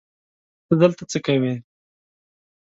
ته دلته څه کوې؟